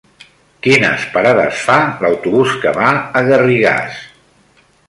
Quines parades fa l'autobús que va a Garrigàs?